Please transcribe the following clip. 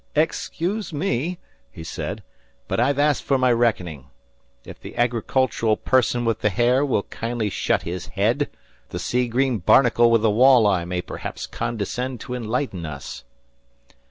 "Excuse me," he said, "but I've asked for my reckoning. If the agricultural person with the hair will kindly shut his head, the sea green barnacle with the wall eye may per haps condescend to enlighten us."